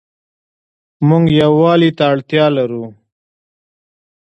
مونږ يووالي ته اړتيا لرو